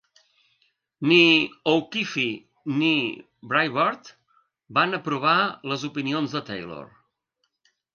Ni O'Keefe ni Breitbart van aprovar les opinions de Taylor.